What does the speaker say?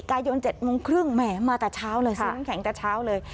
กายยนต์เจ็ดโมงครึ่งแหมมาตะเช้าเลยซื้อแข็งตะเช้าเลย